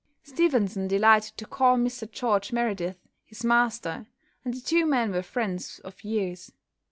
Stevenson delighted to call Mr George Meredith his master, and the two men were friends of years.